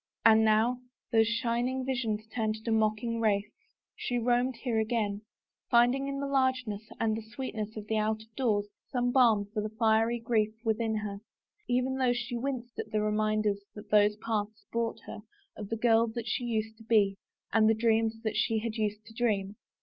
And now, thosw shining visions turned to mocking wraiths, she roamed here again, finding in the largeness and the sveetness of the out of doors some bakn for the fiery grief within her, even though she winced at the reminders that those paths brought her of the girl that she used to be and the dreams that she used to dream.